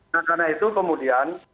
nah karena itu kemudian